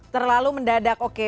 terlalu mendadak oke